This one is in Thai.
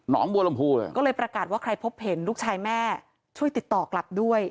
น้องบัวลำพูเลยก็เลยประกาศว่าใครพบเห็นลูกชายแม่ช่วยติดต่อกลับด้วย